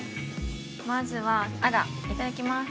まずはアラいただきます